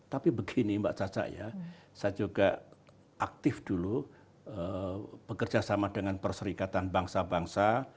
tapi begini mbak caca ya saya juga aktif dulu bekerja sama dengan perserikatan bangsa bangsa